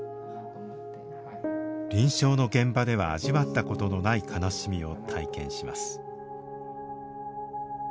臨床の現場では味わったことのない悲しみを体験します。